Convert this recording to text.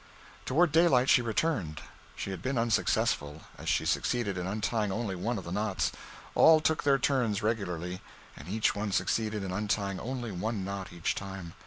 Toward daylight she returned. She had been unsuccessful, as she succeeded in untying only one of the knots. All took their turns regularly, and each one succeeded in untying only one knot each time.